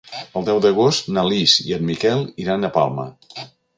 El deu d'agost na Lis i en Miquel iran a Palma.